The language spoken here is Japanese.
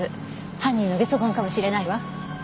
犯人のゲソ痕かもしれないわ。